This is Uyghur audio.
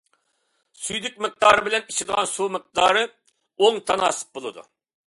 سۈيدۈك مىقدارى بىلەن ئىچىدىغان سۇ مىقدارى ئوڭ تاناسىپ بولىدۇ.